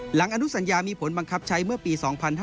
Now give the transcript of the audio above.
อนุสัญญามีผลบังคับใช้เมื่อปี๒๕๕๙